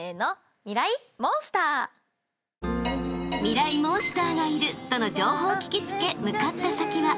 ［ミライ☆モンスターがいるとの情報を聞き付け向かった先は］